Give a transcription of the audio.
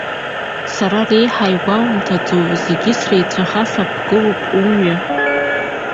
Сара, реиҳа игәоумҭаӡо, зегьы среицәаха саԥгылап умҩа.